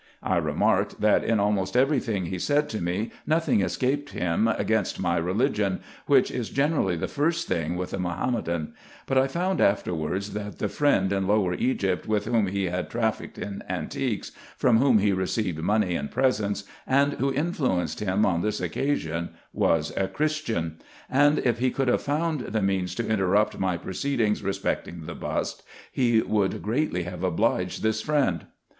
I remarked, that in almost every thing he said to me nothing escaped him against my religion, which is generally the first thing with a Mahometan ; but I found afterwards, that the friend in Lower Egypt, with whom he had trafficked in antiques, from whom he received money and presents, and who influenced him on this occasion, was a Christian ; and if he could have found the means to interrupt my proceedings respecting the bust, he would greatly have obliged this friend.